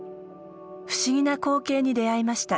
不思議な光景に出会いました。